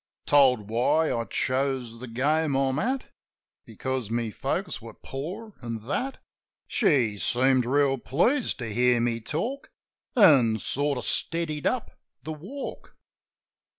Told why I chose the game I'm at Because my folks were poor, an' that. She seemed reel pleased to hear me talk. An' sort of steadied up the walk.